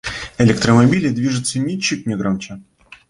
Электромобили движутся ничуть не громче.